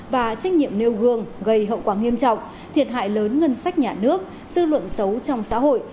và trách nhiệm nêu gương gây hậu quả nghiêm trọng thiệt hại lớn ngân sách nhà nước dư luận xấu trong xã hội